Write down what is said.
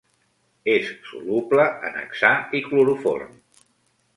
És soluble en hexà i cloroform.